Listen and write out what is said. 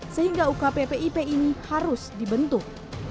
sehingga ukppip ini harus dibentuk